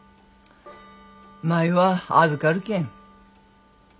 舞は預かるけん。